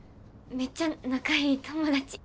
めっちゃ仲良い友達。